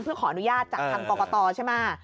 เพื่อขออนุญาตจากทางกรกตใช่ไหม